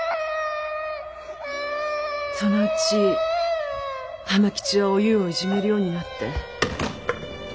そのうち浜吉はおゆうをいじめるようになって。